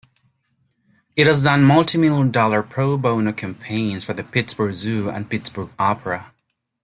It has done multimillion-dollar pro-bono campaigns for the Pittsburgh Zoo and Pittsburgh Opera.